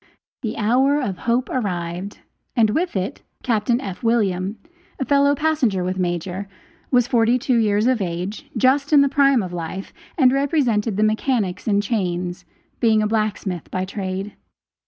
The hour of hope arrived and with it Captain F. William, a fellow passenger with Major, was forty two years of age, just in the prime of life, and represented the mechanics in chains, being a blacksmith by trade.